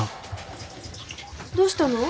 どうしたの？